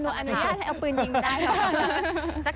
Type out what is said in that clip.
อนุญาตให้เอาปืนยิงได้หรอก